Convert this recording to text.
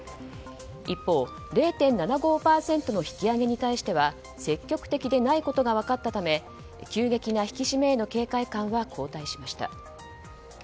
一方、０．７５％の引き上げに対しては積極的でないことが分かったため急激な引き締めへの警戒感は後退しました。